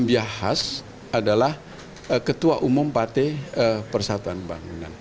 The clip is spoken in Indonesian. biahas adalah ketua umum partai persatuan pembangunan